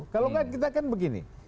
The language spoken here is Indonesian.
kalau kita kan begini